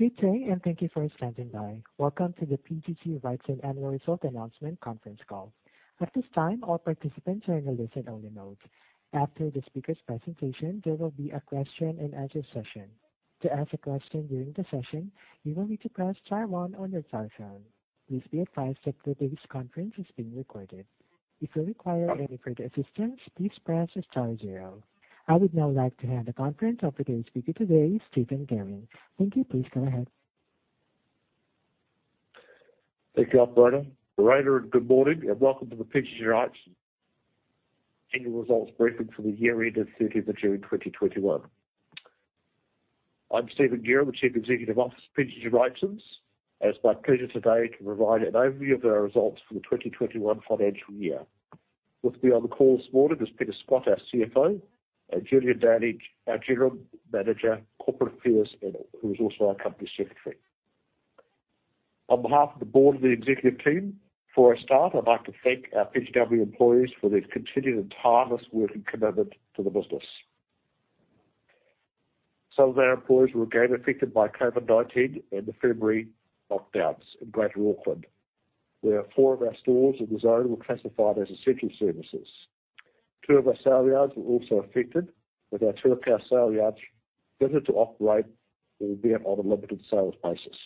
Good day, and thank you for standing by. Welcome to the PGG Wrightson Annual Result Announcement Conference Call. At this time, all participants are in a listen-only mode. After the speaker's presentation, there will be a question and answer session. To ask a question during the session, you will need to press star one on your telephone. Please be advised that today's conference is being recorded. If you require any further assistance, please press star zero. I would now like to hand the conference over to the speaker today, Stephen Guerin. Thank you. Please go ahead. Thank you, operator. Good morning. Welcome to the PGG Wrightson annual results briefing for the year ending June 30, 2021. I'm Stephen Guerin, the Chief Executive Officer for PGG Wrightson, and it's my pleasure today to provide an overview of our results for the 2021 financial year. With me on the call this morning is Peter Scott, our CFO, and Julian Daly, our General Manager, Corporate Affairs, who is also our Company Secretary. On behalf of the board and the executive team, for a start, I'd like to thank our PW employees for their continued and tireless work and commitment to the business. Some of our employees were again affected by COVID-19 and the February lockdowns in greater Auckland, where four of our stores in the zone were classified as essential services. Two of our sale yards were also affected, with our Tuakau sale yard permitted to operate, but again, on a limited sales basis.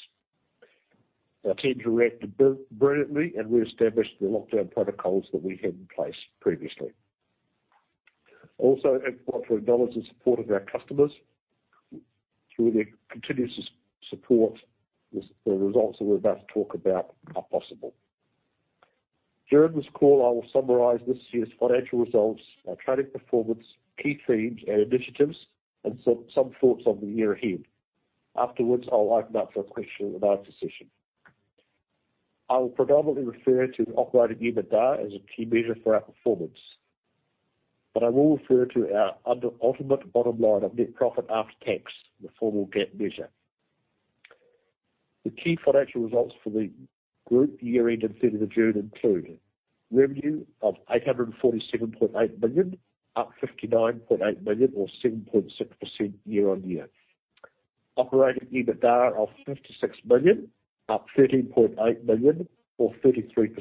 Our team reacted brilliantly and reestablished the lockdown protocols that we had in place previously. I'd like to acknowledge the support of our customers. Through their continuous support, the results that we're about to talk about are possible. During this call, I will summarize this year's financial results, our trading performance, key themes, and initiatives, and some thoughts on the year ahead. Afterwards, I'll open up for a question and answer session. I will predominantly refer to operating EBITDA as a key measure for our performance, but I will refer to our ultimate bottom line of net profit after tax, the formal GAAP measure. The key financial results for the group year ending June 30th include revenue of 847.8 million, up 59.8 million or 7.6% year-on-year. Operating EBITDA of 56 million, up 13.8 million or 33%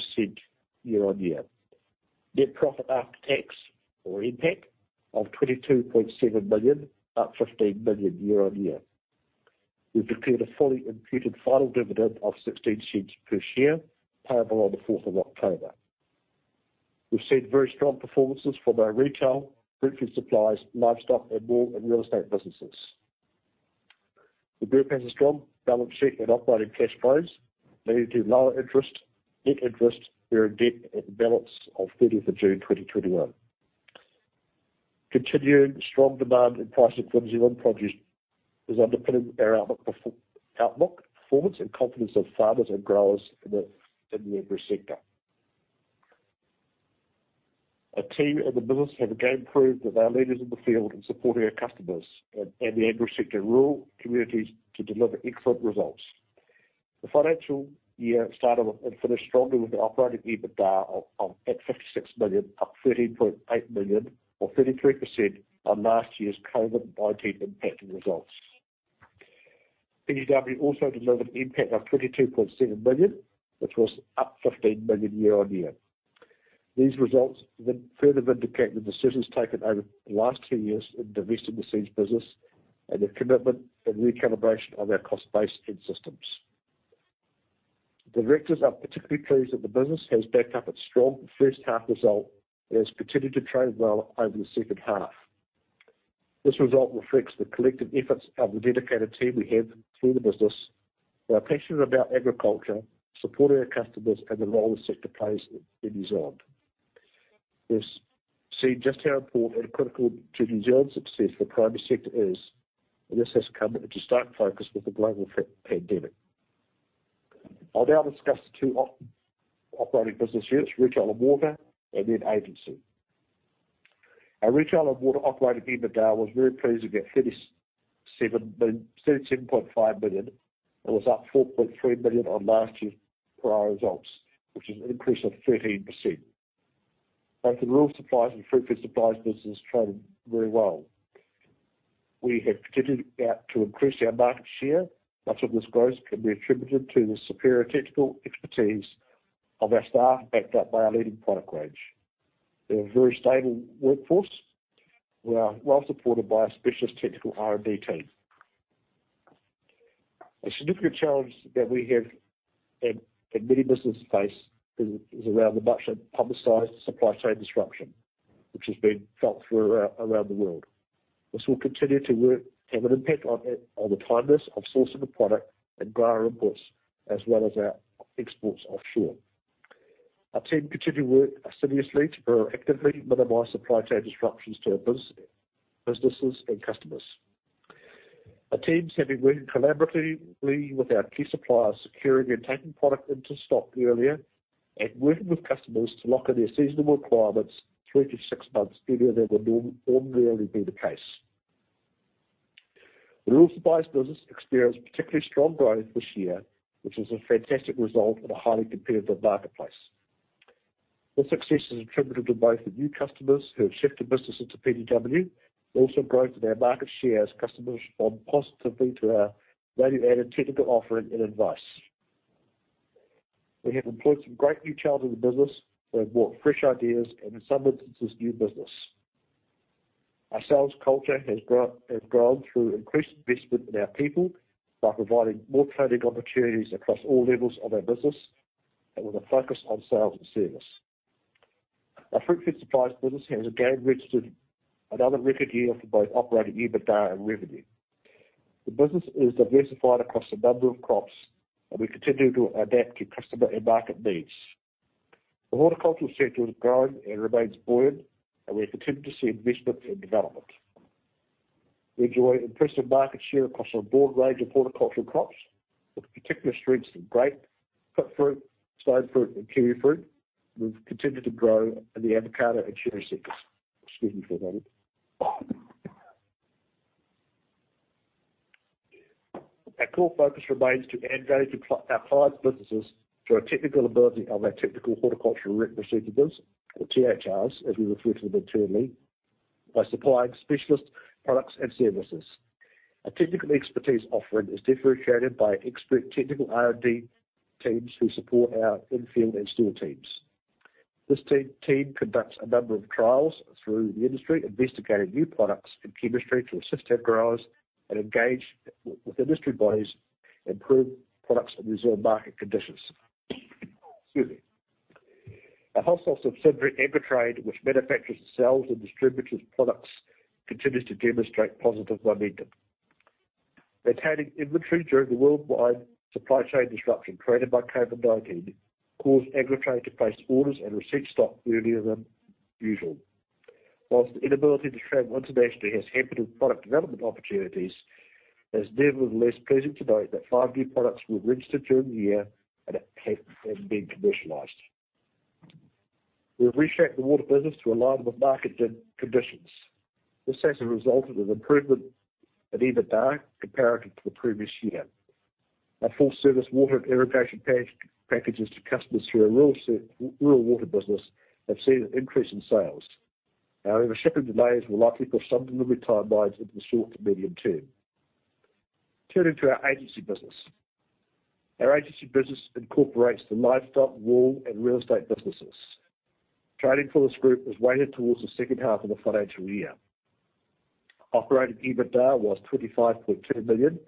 year-on-year. Net profit after tax, or NPAT, of 22.7 million, up 15 million year-on-year. We've declared a fully imputed final dividend of 0.16 per share, payable on the October 4th. We've seen very strong performances from our retail, Fruitfed Supplies, livestock, wool and real estate businesses. We bear past a strong balance sheet and operating cash flows, leading to lower net interest-bearing debt at the balance of June 30th, 2021. Continuing strong demand and price of New Zealand produce is underpinning our outlook performance and confidence of farmers and growers in the agri sector. Our team and the business have again proved that our leaders in the field in supporting our customers and the agri sector rural communities to deliver excellent results. The financial year started and finished strongly with the operating EBITDA at 56 million, up 13.8 million or 33% on last year's COVID-19 impacted results. PW also delivered NPAT of 22.7 million, which was up 15 million year-on-year. These results further vindicate the decisions taken over the last two years in divesting the seeds business and the commitment and recalibration of our cost base and systems. Directors are particularly pleased that the business has backed up its strong first half result and has continued to trade well over the second half. This result reflects the collective efforts of the dedicated team we have through the business, who are passionate about agriculture, supporting our customers, and the role the sector plays in New Zealand. We've seen just how important and critical to New Zealand's success the primary sector is, and this has come into stark focus with the global pandemic. I'll now discuss the two operating business units, retail and water, then agency. Our retail and water operating EBITDA was very pleasing at 37.5 million. It was up 4.3 million on last year's prior results, which is an increase of 13%. Both the Rural Supplies and Fruitfed Supplies business traded very well. We have continued to increase our market share. Much of this growth can be attributed to the superior technical expertise of our staff, backed up by our leading product range. We have a very stable workforce. We are well supported by a specialist technical R&D team. A significant challenge that we have, and many businesses face, is around the much publicized supply chain disruption, which has been felt around the world. This will continue to have an impact on the timeliness of sourcing the product and grower inputs as well as our exports offshore. Our team continue to work assiduously to proactively minimize supply chain disruptions to our businesses and customers. Our teams have been working collaboratively with our key suppliers, securing and taking product into stock earlier and working with customers to lock in their seasonal requirements three to six months earlier than would ordinarily be the case. The Rural Supplies business experienced particularly strong growth this year, which was a fantastic result in a highly competitive marketplace. The success is attributed to both the new customers who have shifted business into PGW, but also growth in our market share as customers respond positively to our value-added technical offering and advice. We have employed some great new talent in the business that have brought fresh ideas and in some instances, new business. Our sales culture has grown through increased investment in our people by providing more training opportunities across all levels of our business and with a focus on sales and service. Our Fruitfed Supplies business has again registered another record year for both operating EBITDA and revenue. The business is diversified across a number of crops, and we continue to adapt to customer and market needs. The horticultural sector is growing and remains buoyant. We continue to see investment and development. We enjoy impressive market share across a broad range of horticultural crops, with particular strengths in grape, stone fruit, and kiwi fruit. We've continued to grow in the avocado and cherry sectors. Excuse me for a moment. Our core focus remains to add value to our clients' businesses through our technical ability of our technical horticultural representatives, or THR's, as we refer to them internally, by supplying specialist products and services. Our technical expertise offering is differentiated by expert technical R&D teams who support our in-field and store teams. This team conducts a number of trials through the industry, investigating new products and chemistry to assist our growers and engage with industry bodies to improve products and resolve market conditions. Excuse me. Our wholesale subsidiary, Agritrade, which manufactures, sells, and distributes products, continues to demonstrate positive momentum. Maintaining inventory during the worldwide supply chain disruption created by COVID-19 caused Agritrade to place orders and receive stock earlier than usual. Whilst the inability to travel internationally has hampered product development opportunities, it is nevertheless pleasing to note that five new products were registered during the year and have been commercialized. We have reshaped the water business to align with market conditions. This has resulted in improvement in EBITDA comparative to the previous year. Our full-service water and irrigation packages to customers through our rural water business have seen an increase in sales. However, shipping delays will likely push some delivery timelines into the short to medium term. Turning to our agency business. Our agency business incorporates the livestock, wool, and real estate businesses. Trading for this group was weighted towards the second half of the financial year. Operating EBITDA was 25.2 million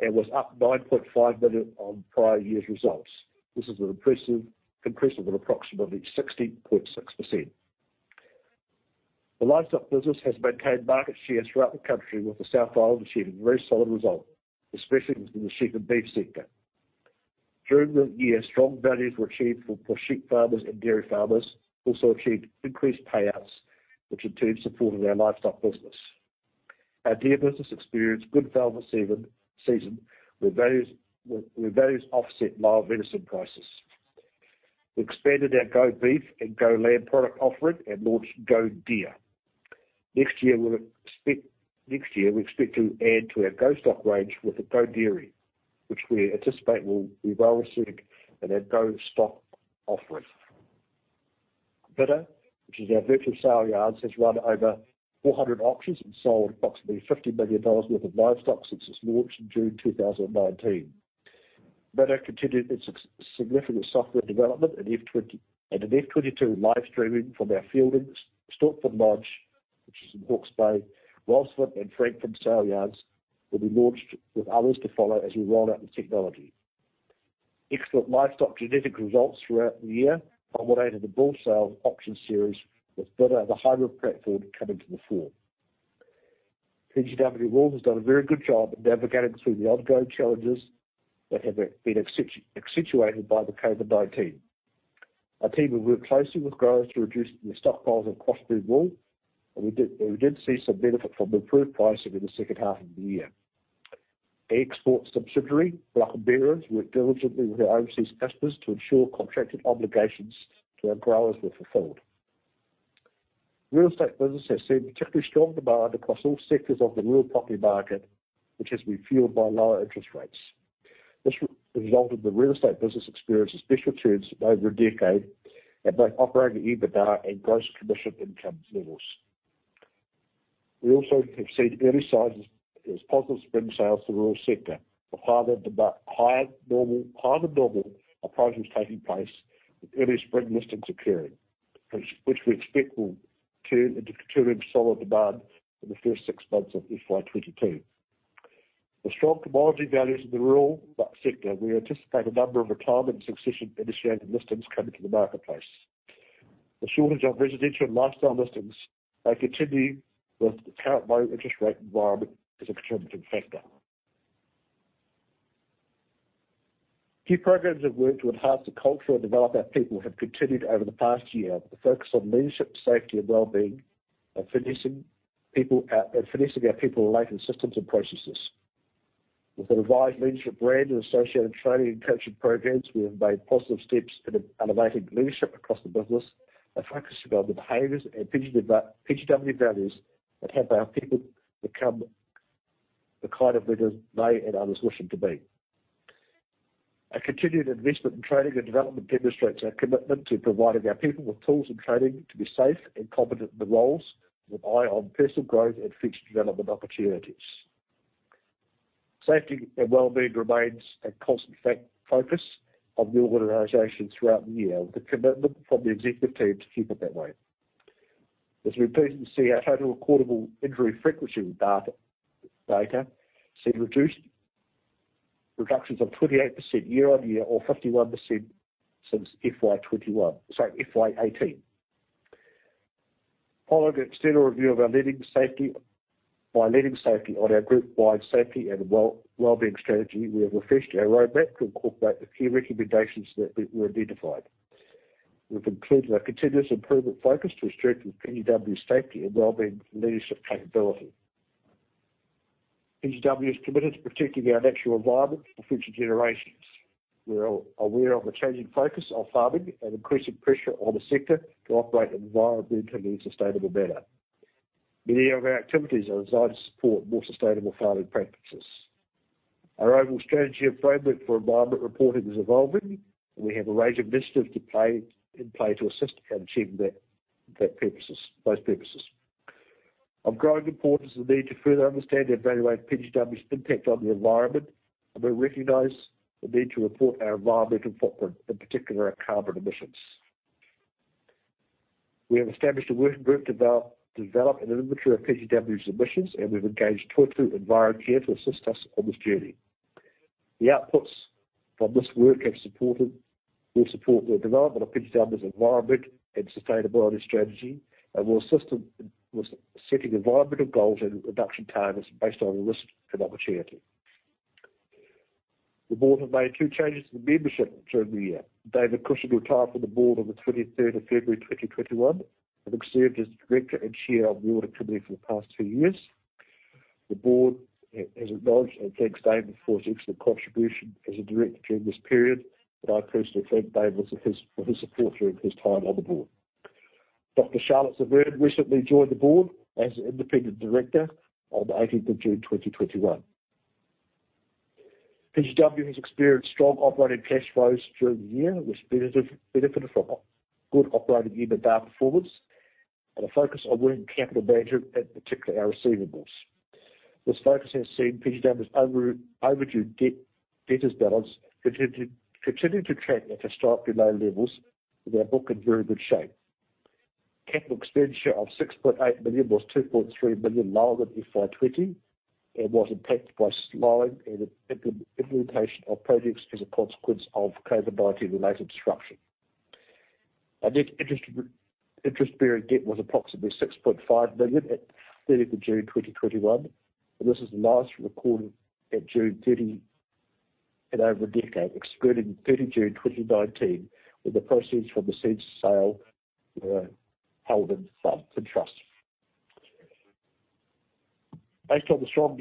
and was up 9.5 million on prior year's results. This is an impressive increase of approximately 60.6%. The livestock business has maintained market share throughout the country, with the South Island achieving a very solid result, especially within the sheep and beef sector. During the year, strong values were achieved for sheep farmers, and dairy farmers also achieved increased payouts, which in turn supported our livestock business. Our deer business experienced good fawn season, where values offset low venison prices. We expanded our GO-BEEF and GO-LAMB product offering and launched GO-DEER. Next year, we expect to add to our GO-STOCK range with the GO-DAIRY, which we anticipate will be well-received in our GO-STOCK offering. Bidr, which is our virtual saleyards, has run over 400 auctions and sold approximately 50 million dollars worth of livestock since its launch in June 2019. Bidr continued its significant software development and an FY2022 live streaming from our Feilding at Stortford Lodge, which is in Hawke's Bay, Rosedale, and Tuakau saleyards will be launched with others to follow as we roll out the technology. Excellent livestock genetic results throughout the year culminated in the bull sale auction series, with bidr, the hybrid platform, coming to the fore. PGG Wrightson Wool has done a very good job of navigating through the ongoing challenges that have been accentuated by the COVID-19. Our team have worked closely with growers to reduce the stockpiles of crossbred wool. We did see some benefit from improved pricing in the second half of the year. Our export subsidiary, Bloch & Behrens, worked diligently with our overseas customers to ensure contracted obligations to our growers were fulfilled. Real estate business has seen particularly strong demand across all sectors of the rural property market, which has been fueled by lower interest rates. This resulted in the real estate business experiencing its best returns in over one decade at both operating EBITDA and gross commission income levels. We also have seen early signs as positive spring sales in the rural sector, with higher-than-normal prices taking place with early spring listings occurring, which we expect will turn into continuing solid demand in the first six months of FY2022. The strong commodity values in the rural sector, we anticipate a number of retirement succession-initiated listings coming to the marketplace. The shortage of residential and lifestyle listings may continue with the current low interest rate environment as a contributing factor. Key programs of work to enhance the culture and develop our people have continued over the past year, with a focus on leadership, safety, and wellbeing, and finessing our people-related systems and processes. With a revised leadership brand and associated training and coaching programs, we have made positive steps in elevating leadership across the business, a focus around the behaviors and PGG values that help our people become the kind of leaders they and others wish them to be. Our continued investment in training and development demonstrates our commitment to providing our people with tools and training to be safe and competent in their roles, with an eye on personal growth and future development opportunities. Safety and wellbeing remains a constant focus of the organization throughout the year, with the commitment from the executive team to keep it that way. As we're pleased to see, our total recordable injury frequency rate see reductions of 28% year on year or 51% since FY2018. Following an external review of our leading safety on our group-wide safety and wellbeing strategy, we have refreshed our roadmap to incorporate the key recommendations that were identified. We've included a continuous improvement focus to strengthen PGW's safety and wellbeing leadership capability. PGW is committed to protecting our natural environment for future generations. We're aware of the changing focus on farming and increasing pressure on the sector to operate in an environmentally sustainable manner. Many of our activities are designed to support more sustainable farming practices. Our overall strategy and framework for environment reporting is evolving, and we have a range of initiatives in play to assist in achieving those purposes. Of growing importance is the need to further understand and evaluate PGW's impact on the environment, and we recognize the need to report our environmental footprint, in particular our carbon emissions. We have established a working group to develop an inventory of PGW's emissions, and we've engaged Toitū Envirocare to assist us on this journey. The outputs from this work will support the development of PGW's environment and sustainability strategy and will assist with setting environmental goals and reduction targets based on risk and opportunity. The board have made two changes to the membership during the year. David Cushing retired from the board on the February 23rd, 2021, having served as director and chair of the audit committee for the past two years. The board has acknowledged and thanks David for his excellent contribution as a director during this period, and I personally thank David for his support during his time on the board. Dr Charlotte Severne recently joined the board as an independent director on the June 18th, 2021. PGW has experienced strong operating cash flows during the year. It has benefited from good operating EBITDA performance and a focus on working capital management, in particular our receivables. This focus has seen PGW's overdue debtors balance continuing to trend at historically low levels, with our book in very good shape. Capital expenditure of 6.8 million was 2.3 million lower than FY2020 and was impacted by slowing and implementation of projects as a consequence of COVID-19 related disruption. Our net interest-bearing debt was approximately 6.5 million on June 30th, 2021. This is the lowest recorded in over a decade, excluding June 30, 2019, when the proceeds from the seed's sale were held in trust. Based on the strong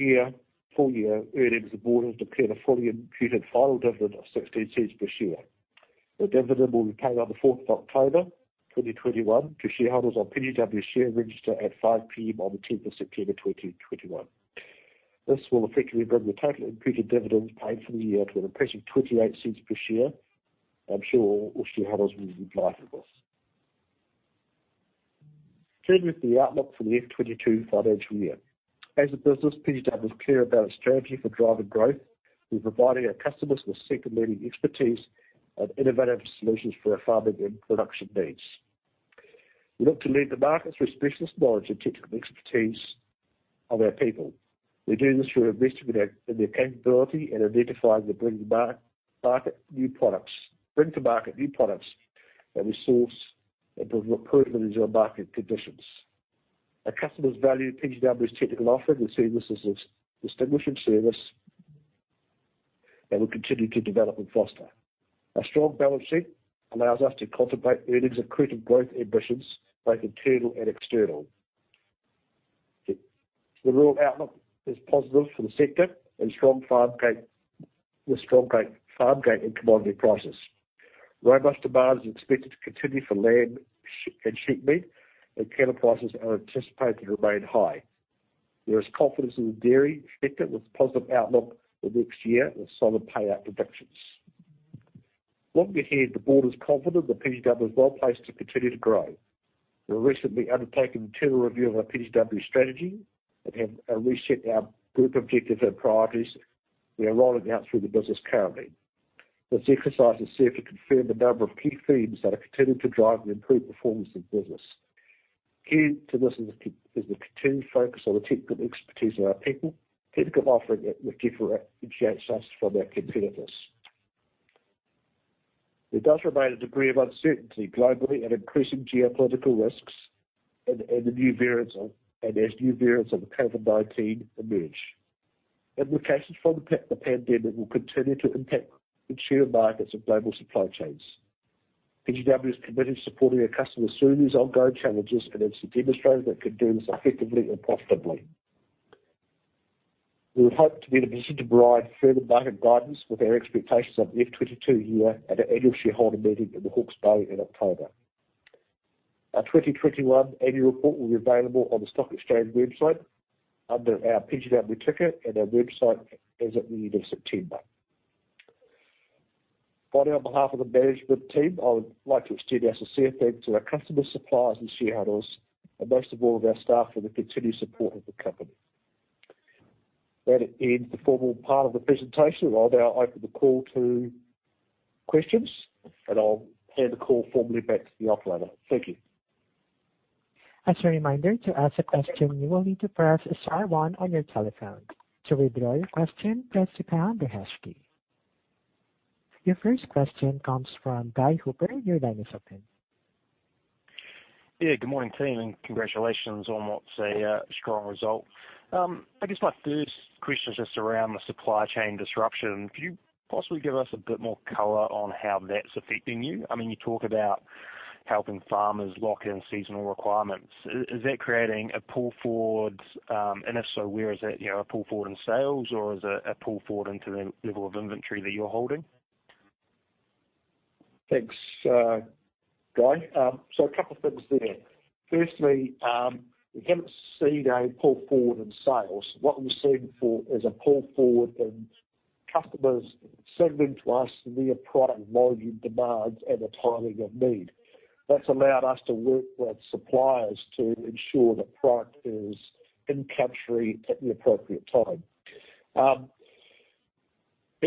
full-year earnings, the board has declared a fully imputed final dividend of 0.16 per share. The dividend will be paid on the October 4th, 2021, to shareholders on PGW's share register at 5:00 P.M. on the September 10th, 2021. This will effectively bring the total imputed dividends paid for the year to an impressive 0.28 per share. I'm sure all shareholders will be delighted with this. Turning to the outlook for the FY2022 financial year. As a business, PGW is clear about its strategy for driving growth. We're providing our customers with sector-leading expertise and innovative solutions for our farming and production needs. We look to lead the market through specialist knowledge and technical expertise of our people. We do this through investing in their capability and identifying and bring to market new products that we source and provide proven return on market conditions. Our customers value PGW's technical offering. We see this as a distinguishing service, and we continue to develop and foster. Our strong balance sheet allows us to contemplate earnings accretive growth ambitions, both internal and external. The rural outlook is positive for the sector with strong farm gate and commodity prices. Robust demand is expected to continue for lamb and sheep meat, and cattle prices are anticipated to remain high. There is confidence in the dairy sector, with a positive outlook for next year with solid payout predictions. Longer ahead, the board is confident that PGW is well-placed to continue to grow. We recently undertaken an internal review of our PGW strategy and have reset our group objectives and priorities we are rolling out through the business currently. This exercise has served to confirm the number of key themes that are continuing to drive the improved performance of the business. Key to this is the continued focus on the technical expertise of our people, technical offering that differentiates us from our competitors. There does remain a degree of uncertainty globally and increasing geopolitical risks as new variants of COVID-19 emerge. Implications from the pandemic will continue to impact mature markets and global supply chains. PGW is committed to supporting our customers through these ongoing challenges, and it's demonstrated that it can do this effectively and profitably. We would hope to be in a position to provide further market guidance with our expectations of FY2022 year at our annual shareholder meeting in Hawke's Bay in October. Our 2021 annual report will be available on the Stock Exchange website under our PGG Wrightson ticker and our website as at the end of September. Finally, on behalf of the management team, I would like to extend our sincere thanks to our customers, suppliers and shareholders, and most of all, our staff for the continued support of the company. That ends the formal part of the presentation. I'll now open the call to questions, and I'll hand the call formally back to the operator. Thank you. As a reminder, to ask a question, you will need to press star one on your telephone. To withdraw your question, press the pound or hash key. Your first question comes from Guy Hooper. Your line is open. Yeah. Good morning, team. Congratulations on what's a strong result. I guess my first question is just around the supply chain disruption. Could you possibly give us a bit more color on how that's affecting you? You talk about helping farmers lock in seasonal requirements. Is that creating a pull forward? If so, where is that, a pull forward in sales or is it a pull forward into the level of inventory that you're holding? Thanks, Guy. A couple things there. Firstly, we haven't seen a pull forward in sales. What we've seen is a pull forward in customers signaling to us their product volume demands and the timing of need. That's allowed us to work with suppliers to ensure that product is in country at the appropriate time.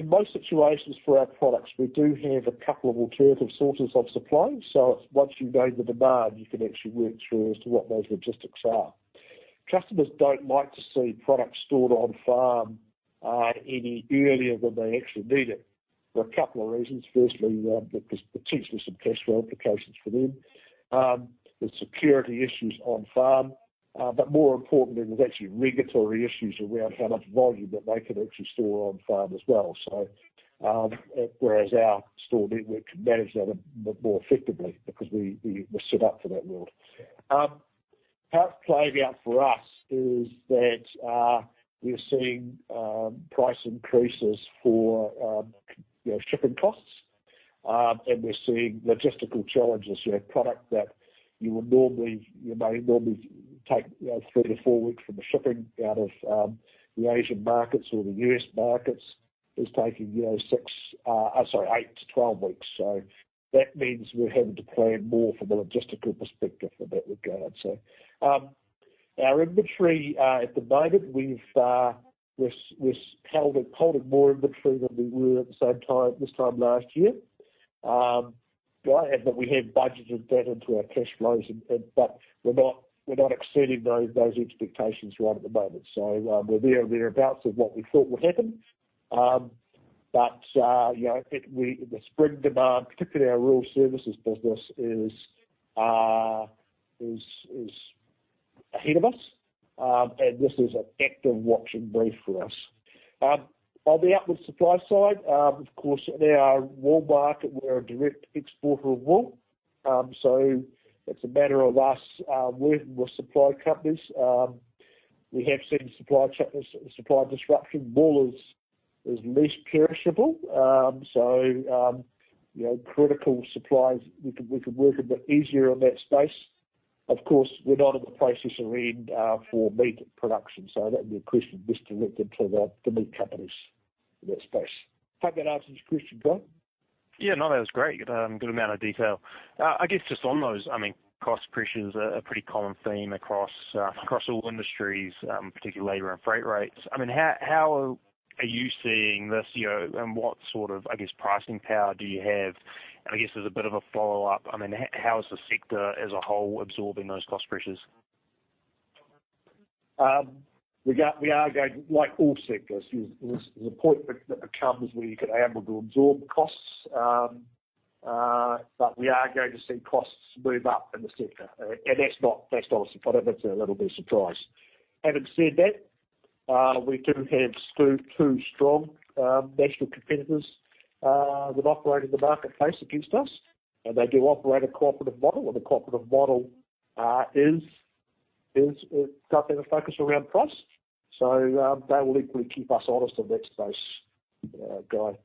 In most situations for our products, we do have a couple of alternative sources of supply. Once you know the demand, you can actually work through as to what those logistics are. Customers don't like to see product stored on farm any earlier than they actually need it for a couple of reasons. Firstly, because potentially some cash flow implications for them. There's security issues on farm. More importantly, there's actually regulatory issues around how much volume that they can actually store on farm as well. Whereas our store network can manage that a bit more effectively because we're set up for that world. How it's played out for us is that we're seeing price increases for shipping costs, and we're seeing logistical challenges. Product that may normally take three to four weeks from the shipping out of the Asian markets or the U.S. markets is taking 8-12 weeks. That means we're having to plan more from a logistical perspective in that regard. Our inventory at the moment, we're holding more inventory than we were at the same time this time last year. Guy, and that we have budgeted that into our cash flows. We're not exceeding those expectations right at the moment. We're there or thereabouts of what we thought would happen. The spring demand, particularly our rural services business is ahead of us. This is an active watch and brief for us. On the outward supply side, of course, in our wool market, we're a direct exporter of wool. It's a matter of us working with supply companies. We have seen supply disruption. Wool is least perishable. Critical supplies, we could work a bit easier on that space. Of course, we're not in the processor end for meat production, so that would be a question best directed to the meat companies in that space. Hope that answers your question, Guy. Yeah. No, that was great. Good amount of detail. I guess just on those, cost pressures are a pretty common theme across all industries, particularly labor and freight rates. How are you seeing this and what sort of, I guess, pricing power do you have? I guess there's a bit of a follow-up, how is the sector as a whole absorbing those cost pressures? We are going like all sectors. There's a point that comes where you get able to absorb costs. We are going to see costs move up in the sector. That's not a surprise. Having said that, we do have two strong national competitors, that operate in the marketplace against us. They do operate a cooperative model, and the cooperative model does have a focus around price. They will equally keep us honest in that space, Guy.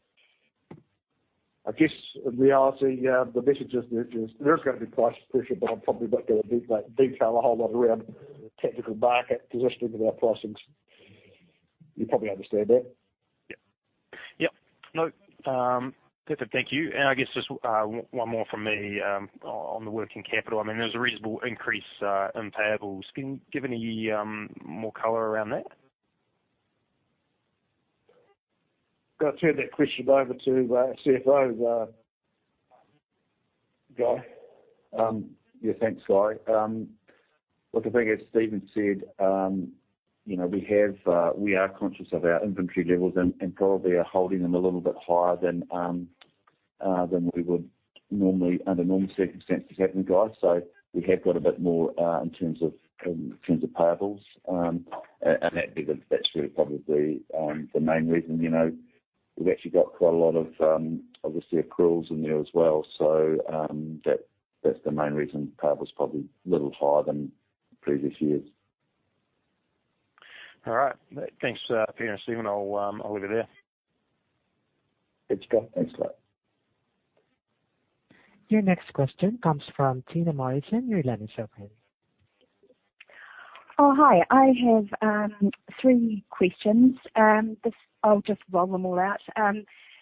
I guess in reality, the message is there is going to be price pressure, but I'm probably not going to detail a whole lot around technical market positioning of our pricings. You probably understand that. Yep. No. Perfect. Thank you. I guess just one more from me, on the working capital. There was a reasonable increase, in payables. Can you give any more color around that? Going to turn that question over to our CFO, Guy. Yeah. Thanks, Guy. Look, I think as Stephen said, we are conscious of our inventory levels and probably are holding them a little bit higher than we would normally under normal circumstances, having Guy. We have got a bit more, in terms of payables. That's really probably the main reason. We've actually got quite a lot of, obviously, accruals in there as well. That's the main reason payables probably a little higher than previous years. All right. Thanks, Peter and Stephen. I'll leave it there. Thanks, Guy. Thanks a lot. Your next question comes from Tina Morrison, New Zealand Shareholder. Oh, hi. I have three questions. I'll just roll them all out.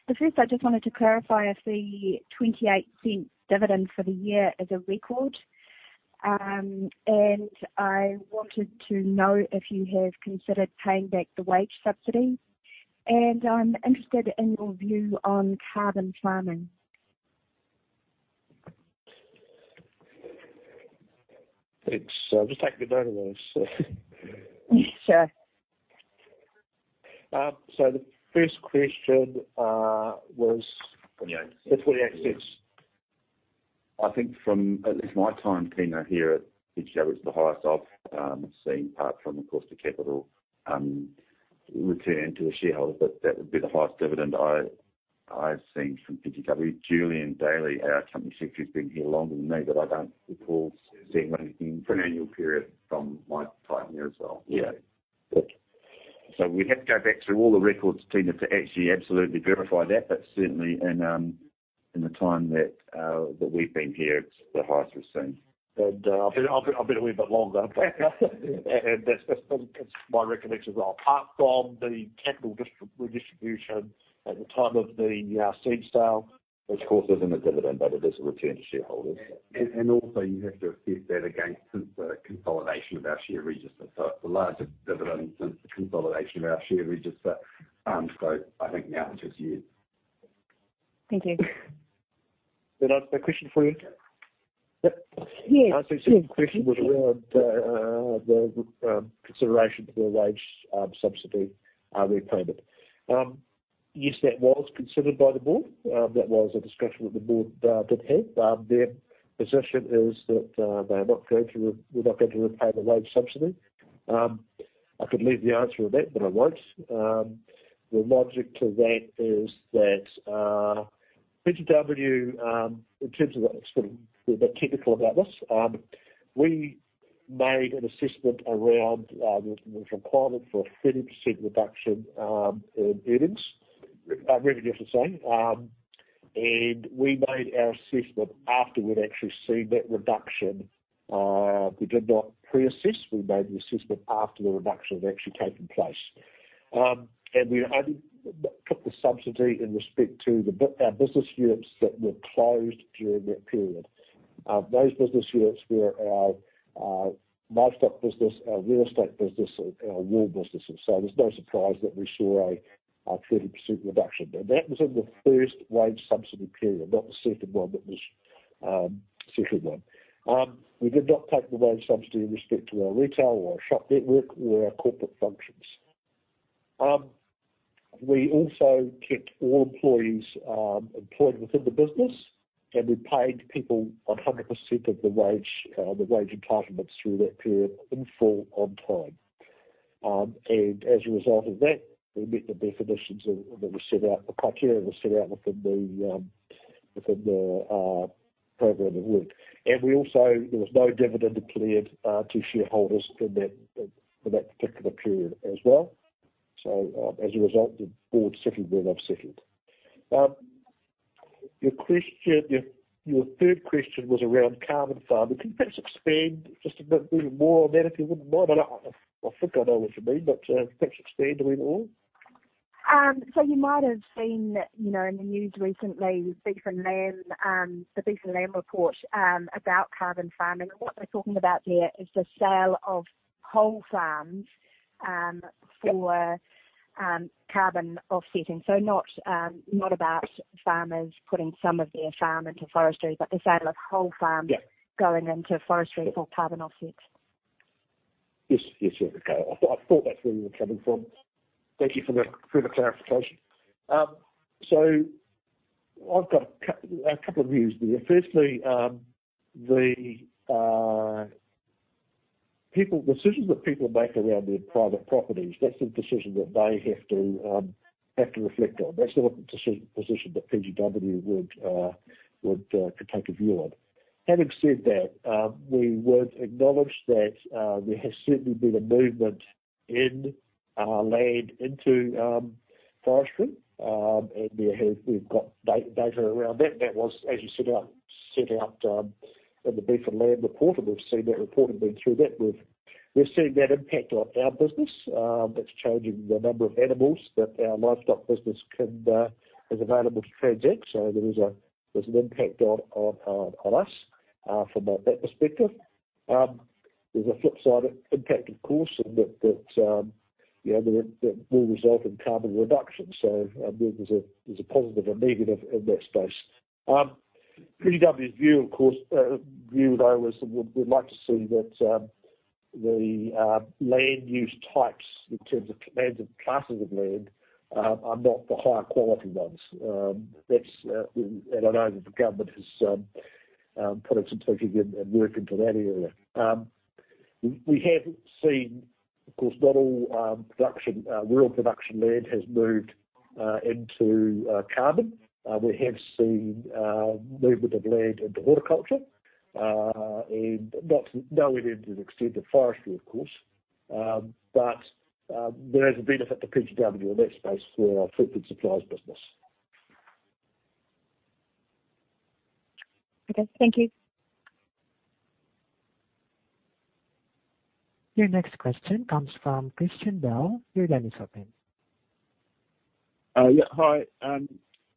The first, I just wanted to clarify if the 0.28 dividend for the year is a record. I wanted to know if you have considered paying back the wage subsidy. I'm interested in your view on carbon farming. Thanks. I'll just take the better ones. Sure. The first question was. 0.28. the 0.28. I think from at least my time, Tina, here at PGW, it's the highest I've seen, apart from, of course, the capital return to a shareholder, but that would be the highest dividend I've seen from PGW. Julian Daly, our Company Secretary, has been here longer than me, but I don't recall seeing anything for an annual period from my time here as well. Yeah. Okay. We'd have to go back through all the records, Tina, to actually absolutely verify that, but certainly in the time that we've been here, it's the highest we've seen. I've been a wee bit longer, but that's my recollection as well. Apart from the capital redistribution at the time of the seed sale. Which, of course, isn't a dividend, but it is a return to shareholders. Also, you have to assess that against since the consolidation of our share register. It's the largest dividend since the consolidation of our share register. I think the answer is yes. Thank you. That answer the question for you? Yes. The second question was around the consideration for the wage subsidy repayment. Yes, that was considered by the board. That was a discussion that the board did have. Their position is that we're not going to repay the wage subsidy. I could leave the answer at that, but I won't. The logic to that is that PGW, in terms of, we're a bit technical about this, we made an assessment around the requirement for a 30% reduction in earnings, revenue per se, and we made our assessment after we'd actually seen that reduction. We did not pre-assess. We made the assessment after the reduction had actually taken place. We only took the subsidy in respect to our business units that were closed during that period. Those business units were our livestock business, our real estate business, and our wool business. There's no surprise that we saw a 30% reduction. That was in the first wage subsidy period, not the second one. We did not take the wage subsidy in respect to our retail or our shop network or our corporate functions. We also kept all employees employed within the business, and we paid people 100% of the wage entitlements through that period, in full, on time. As a result of that, we met the definitions that were set out, the criteria that were set out within the program of work. Also, there was no dividend declared to shareholders for that particular period as well. As a result, the board certainly wouldn't object. Your third question was around carbon farming. Can you perhaps expand just a bit more on that, if you wouldn't mind? I think I know what you mean but perhaps expand a wee more. You might have seen in the news recently, the Beef and Lamb report about carbon farming. What they're talking about there is the sale of whole farms for carbon offsetting. Not about farmers putting some of their farm into forestry, but the sale of whole farms. Yeah. Going into forestry for carbon offsets. Yes. Okay. I thought that's where you were coming from. Thank you for the clarification. I've got a couple of views there. Firstly, decisions that people make around their private properties, that's the decision that they have to reflect on. That's not a decision position that PGW could take a view on. Having said that, we would acknowledge that there has certainly been a movement in our land into forestry, and we've got data around that. That was, as you set out in the Beef and Lamb report, and we've seen that report and been through that. We're seeing that impact on our business. That's changing the number of animals that our livestock business is available to transact. There's an impact on us from that perspective. There's a flip side impact, of course, in that will result in carbon reduction. There's a positive and negative in that space. PGW's view, though, is that we'd like to see that the land use types in terms of classes of land are not the higher quality ones. I know that the government has put in some thinking and work into that area. We have seen, of course, not all rural production land has moved into carbon. We have seen movement of land into horticulture. That's nowhere near to the extent of forestry, of course. There is a benefit to PGW in that space for our Rural Supplies business. Okay, thank you. Your next question comes from Christian Bell. Your line is open. Yeah. Hi.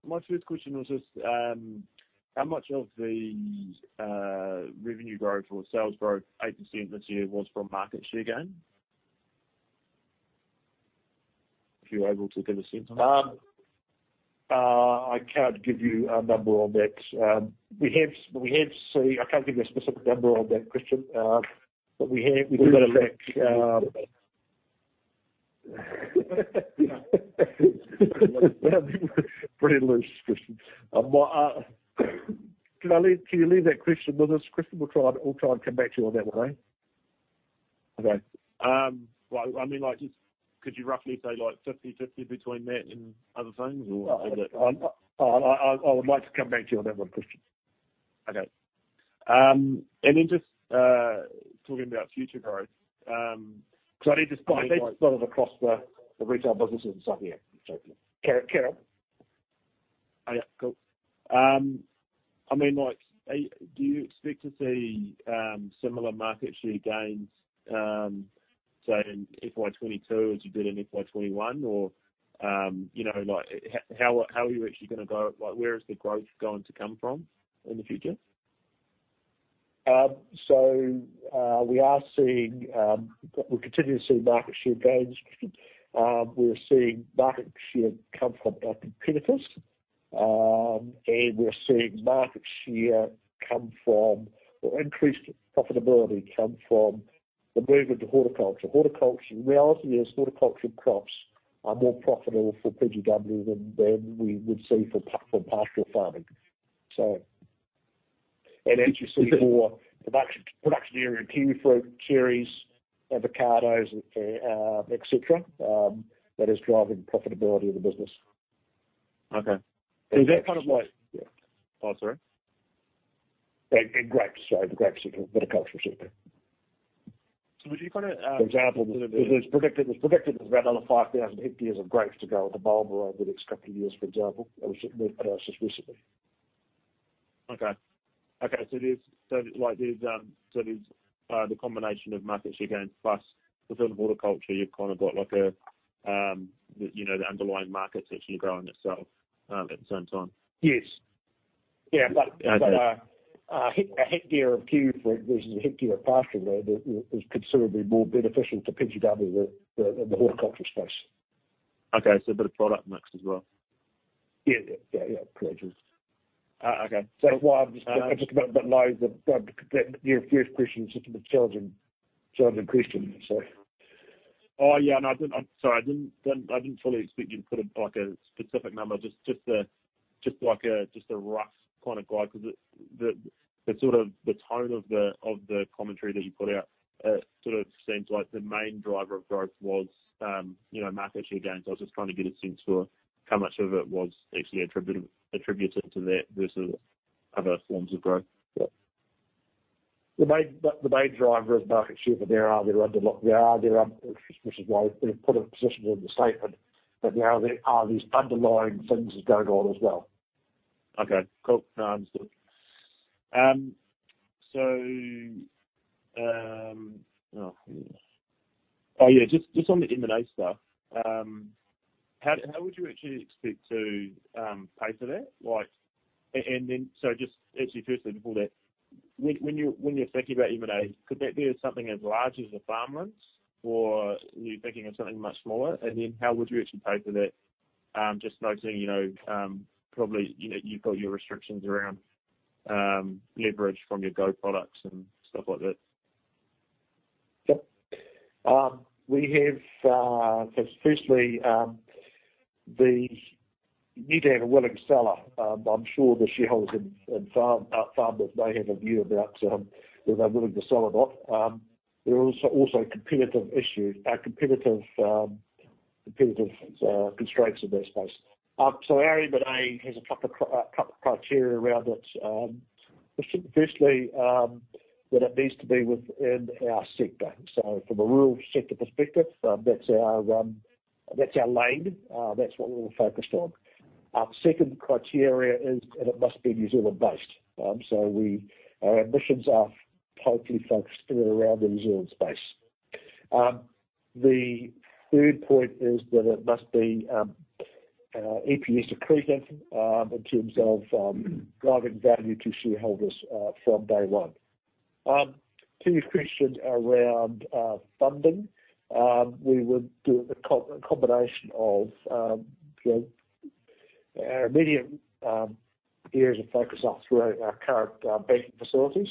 My first question was just, how much of the revenue growth or sales growth, 8% this year was from market share gain? If you're able to give a sense on that. I can't give you a number on that. I can't give you a specific number on that, Christian. Pretty loose, Christian. Can you leave that question with us, Christian? We'll try and come back to you on that one, okay? Okay. Well, could you roughly say 50/50 between that and other things or is it? I would like to come back to you on that one, Christian. Okay. Then just talking about future growth. I need to split it across the retail businesses and so on, yeah. Sure. Carry on? Yeah, cool. Do you expect to see similar market share gains, say, in FY 2022 as you did in FY 2021? How are you actually, where is the growth going to come from in the future? We're continuing to see market share gains, Christian. We're seeing market share come from pastoral ag, and we're seeing increased profitability come from the movement to horticulture. The reality is horticulture crops are more profitable for PGW than we would see from pastoral farming. As you see more production area in kiwifruit, cherries, avocados, et cetera, that is driving profitability of the business. Okay. Is that like- Yeah. Oh, sorry. Grapes, sorry. The grapes are the horticultural sector. So would you- For example, it was predicted there's around another 5,000 hectares of grapes to go into Marlborough over the next couple of years, for example. That was announced just recently. Okay. There's the combination of market share gains, plus within the horticulture, you've got the underlying market is actually growing itself at the same time. Yes. Yeah. A hectare of kiwifruit versus a hectare of pasture land is considerably more beneficial to PGW in the horticulture space. Okay. A bit of product mix as well. Yeah. Correct. Okay. That's why I'm just a bit low. Your first question is just a bit challenging question. Yeah. No, sorry. I didn't fully expect you to put a specific number, just a rough guide, because the tone of the commentary that you put out, it seems like the main driver of growth was market share gains. I was just trying to get a sense for how much of it was actually attributed to that versus other forms of growth. The main driver is market share, but there are other, which is why we put a position in the statement that there are these underlying things going on as well. Okay, cool. No, understood. Just on the M&A stuff, how would you actually expect to pay for that? Actually, firstly, before that, when you're thinking about M&A, could that be something as large as the Farmlands, or were you thinking of something much smaller? How would you actually pay for that? Just noting, probably, you've got your restrictions around leverage from your GO products and stuff like that. Yep. Firstly, you need to have a willing seller. I'm sure the shareholders in Farmlands may have a view about whether they're willing to sell or not. There are also competitive constraints in that space. Our M&A has a couple criteria around it. Firstly, that it needs to be within our sector. From a rural sector perspective, that's our lane. That's what we're focused on. Second criteria is, and it must be New Zealand based. Our ambitions are totally focused around the New Zealand space. The third point is that it must be EPS accretive in terms of driving value to shareholders from day one. To your question around funding, we would do a combination of our immediate areas of focus are through our current banking facilities.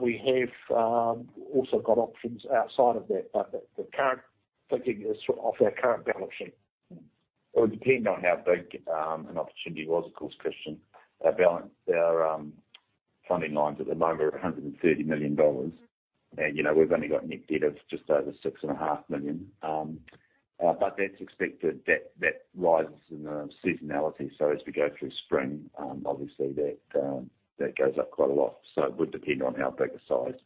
We have also got options outside of that. The current thinking is off our current balance sheet. It would depend on how big an opportunity was, of course, Christian. Our funding lines at the moment are 130 million dollars. We've only got net debt of just over six and a half million. That's expected that rises in the seasonality. As we go through spring, obviously that goes up quite a lot. It would depend on how big a size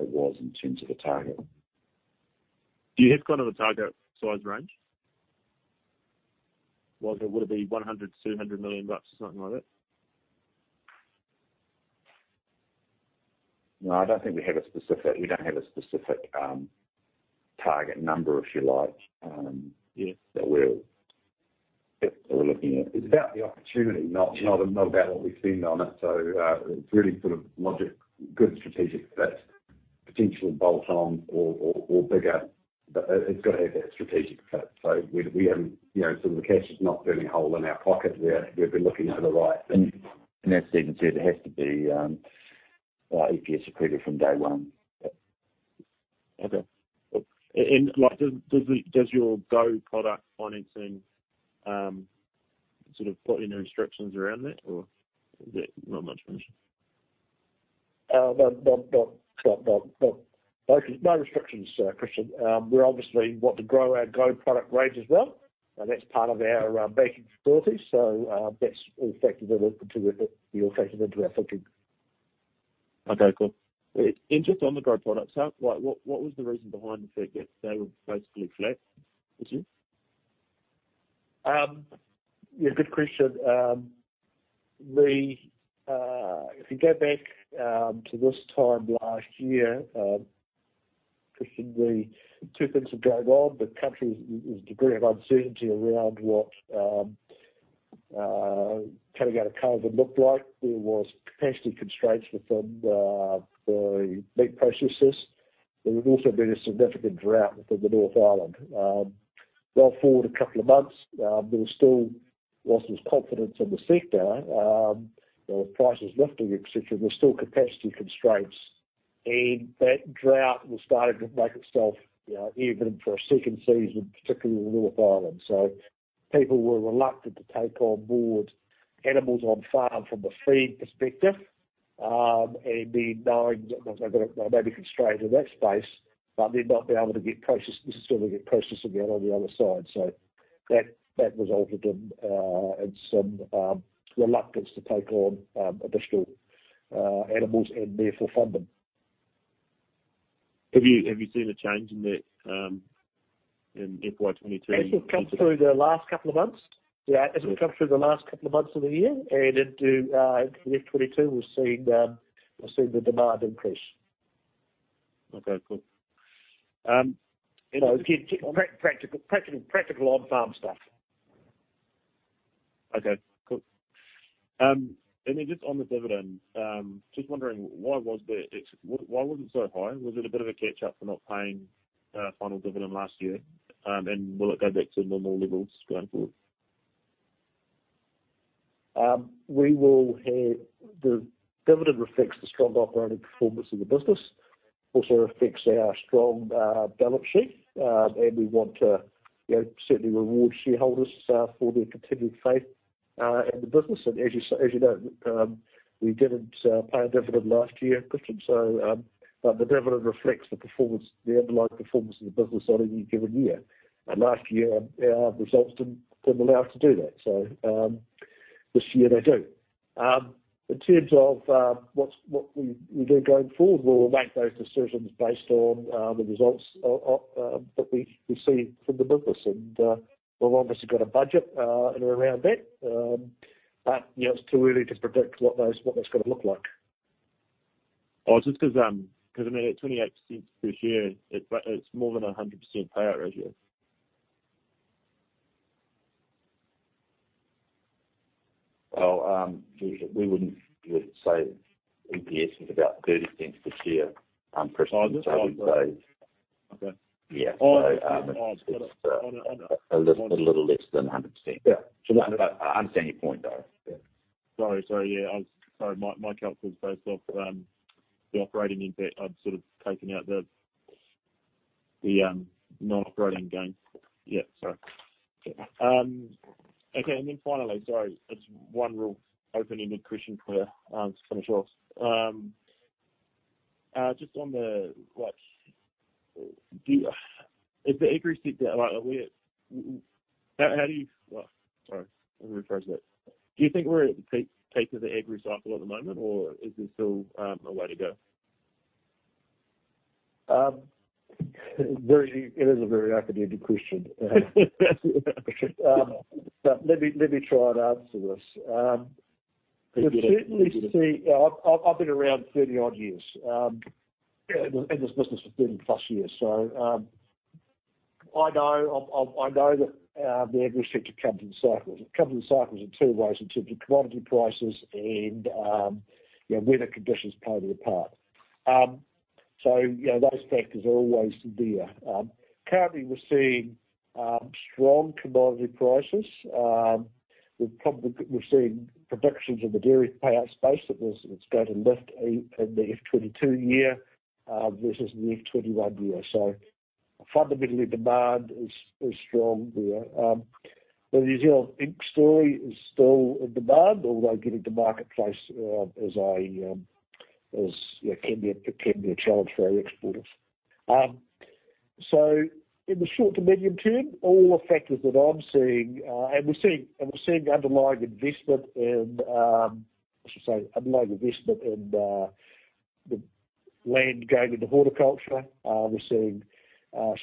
it was in terms of the target. Do you have kind of a target size range? Would it be 100 million, 200 million bucks or something like that? No, I don't think we have a specific target number, if you like. Yeah. That we're looking at. It's about the opportunity, not about what we spend on it. It's really sort of logic, good strategic fit, potential bolt on or bigger. It's got to have that strategic fit. Some of the cash is not burning a hole in our pocket. We've been looking at the right thing. As Stephen said, it has to be EPS accretive from day one. Okay. Cool. Does your GO-STOCK product financing sort of put any restrictions around that, or is there not much mentioned? No restrictions, Christian. We obviously want to grow our GO product range as well, and that's part of our banking facilities. That's all factored into our thinking. Okay, cool. Just on the GO products book, what was the reason behind the flat growth? They were basically flat. Was it? Yeah, good question. If you go back to this time last year, Christian, two things have gone on. The country was a degree of uncertainty around what category COVID looked like. There was capacity constraints within the meat processes. There had also been a significant drought within the North Island. Forward a couple of months, there was still, whilst there was confidence in the sector, there were prices lifting, et cetera. There was still capacity constraints, that drought was starting to make itself evident for a second season, particularly in the North Island. People were reluctant to take on board animals on farm from a feed perspective, knowing that they may be constrained in that space, not being able to necessarily get processing out on the other side. That resulted in some reluctance to take on additional animals and therefore fund them. Have you seen a change in that in FY 2023? As we've come through the last couple of months. Yeah, as we've come through the last couple of months of the year and into FY 2022, we've seen the demand increase. Okay, cool. You know, practical on-farm stuff. Okay, cool. Just on the dividend, just wondering why was it so high? Was it a bit of a catch up for not paying a final dividend last year? Will it go back to normal levels going forward? The dividend reflects the strong operating performance of the business, also reflects our strong balance sheet. We want to certainly reward shareholders for their continued faith in the business. As you know, we didn't pay a dividend last year, Christian. The dividend reflects the underlying performance of the business on any given year. Last year, our results didn't allow us to do that. This year they do. In terms of what we do going forward, we'll make those decisions based on the results that we see from the business. We've obviously got a budget, in and around that. It's too early to predict what that's going to look like. Just because, at 28% this year, it's more than 100% payout ratio. Well, we wouldn't say EPS is about 0.30 this year, Christian. Oh, okay. Yeah. Oh, I understand. A little less than 100%. Yeah. I understand your point, though. Yeah. Sorry. Yeah, my calc was based off the operating NPAT. I've sort of taken out the non-operating gains. Yeah, sorry. Okay, and then finally, sorry, just one real open-ended question to finish off. Just on the, like, well, sorry, let me rephrase that. Do you think we're at the peak stage of the ag cycle at the moment, or is there still a way to go? It is a very academic question. Let me try and answer this. I've been around 30-odd years, in this business for 30+ years. I know that the ag sector comes in cycles. It comes in cycles in two ways, in terms of commodity prices and weather conditions play their part. Those factors are always there. Currently, we're seeing strong commodity prices. We're seeing predictions in the dairy payout space that it's going to lift in the FY2022 year, versus the FY2021 year. Fundamentally, demand is strong there. The New Zealand Inc story is still in demand, although getting to marketplace can be a challenge for our exporters. In the short to medium term, all the factors that I'm seeing, and we're seeing underlying investment in, I should say underlying investment in the land going into horticulture. We're seeing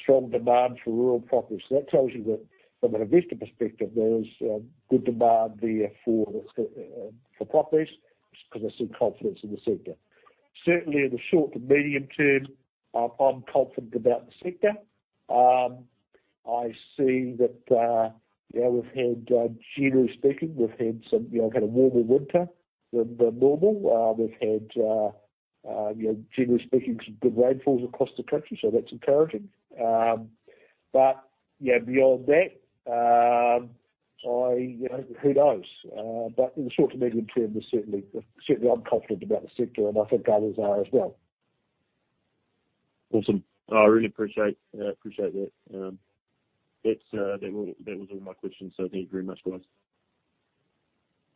strong demand for rural properties. That tells you that from an investor perspective, there is good demand there for properties, because they see confidence in the sector. Certainly, in the short to medium term, I'm confident about the sector. I see that, generally speaking, we've had a warmer winter than normal. We've had, generally speaking, some good rainfalls across the country, so that's encouraging. Beyond that, who knows? In the short to medium term, certainly I'm confident about the sector, and I think others are as well. Awesome. I really appreciate that. That was all my questions. Thank you very much, guys.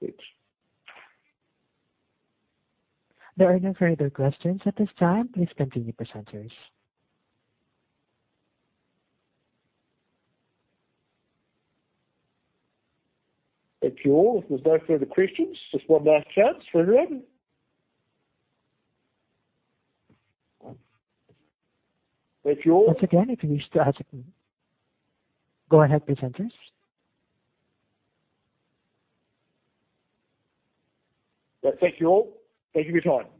Thanks. There are no further questions at this time. Please continue, presenters. Thank you all. If there's no further questions, just one last chance for everyone. Thank you all. Once again, if you need to ask. Go ahead, presenters. Well, thank you all. Thank you for your time.